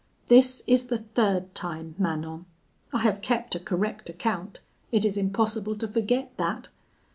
This is the third time, Manon; I have kept a correct account; it is impossible to forget that.